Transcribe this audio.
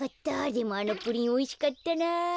でもあのプリンおいしかったな。